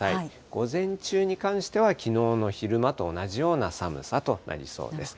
午前中に関してはきのうの昼間と同じような寒さとなりそうです。